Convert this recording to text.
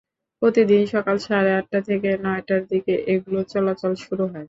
প্রতিদিন সকাল সাড়ে আটটা থেকে নয়টার দিকে এগুলোর চলাচল শুরু হয়।